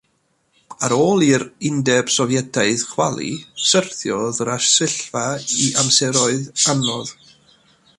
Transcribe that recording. Ar ôl i'r Undeb Sofietaidd chwalu, syrthiodd yr arsyllfa i amseroedd anodd.